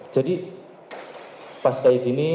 jadi pas kayak gini